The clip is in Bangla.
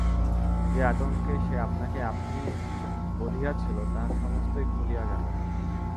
যে আতঙ্কে সে আপনাকে আপনি বঁধিয়াছিল তাহা সমস্তই খুলিয়া গেল।